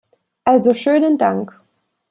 Also schönen Dank.